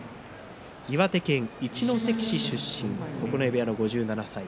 岩手県一関市出身九重部屋の５７歳。